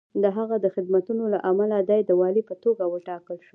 د هغه د خدمتونو له امله دی د والي په توګه وټاکل شو.